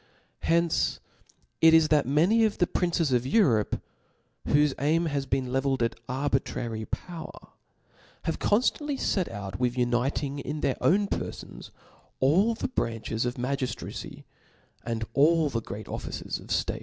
Hence it is that many of the princes of Europe, whofe aim has been levelled at arbitrary power, have conftantly 6t out with uniting in their own perfons all the branches of magiitracy, and all the great offices of ftate.